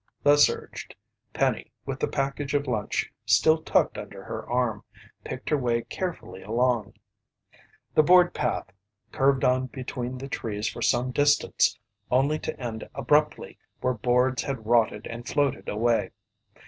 Thus urged. Penny, with the package of lunch still tucked under her arm, picked her way carefully along. The board path curved on between the trees for some distance only to end abruptly where boards had rotted and floated away.